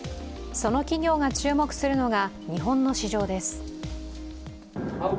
その企業が注目するのが日本の市場です。